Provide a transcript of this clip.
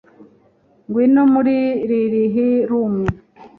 ngwino muri LLH room